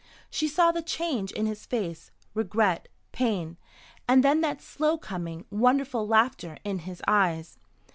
She saw the change in his face, regret, pain, and then that slow coming, wonderful laughter in his eyes.